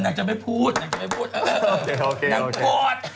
นางจะไม่พูดนางจะไม่พูดเออนางโกรธ